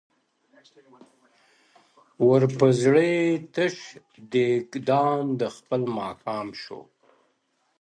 • ور په زړه یې تش دېګدان د خپل ماښام سو ,